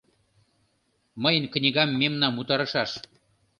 “Мыйын книгам мемнам утарышаш.